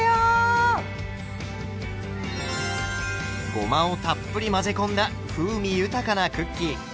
ごまをたっぷり混ぜ込んだ風味豊かなクッキー。